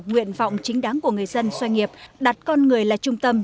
nguyện vọng chính đáng của người dân xoay nghiệp đặt con người là trung tâm